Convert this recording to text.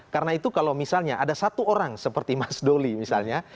karena itu kalau misalnya ada satu orang seperti mas doli misalnya